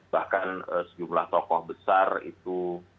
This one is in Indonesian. bahkan sejumlah tokoh besar itu